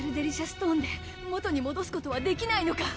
トーンで元にもどすことはできないのか？